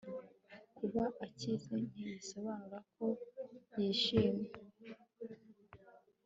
kuba akize, ntibisobanura ko yishimye